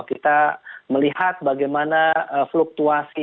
kita melihat bagaimana fluktuasi